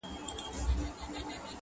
جهاني د هغي شپې وېش دي را پرېښود،